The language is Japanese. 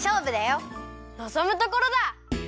のぞむところだ！